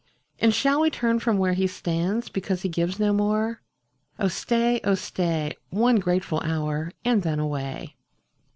And shall we turn from where he stands, Because he gives no more? Oh stay, oh stay, One grateful hotir, and then away.